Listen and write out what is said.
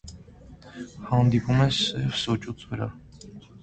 Հանդիպում են սև սոճու վրա։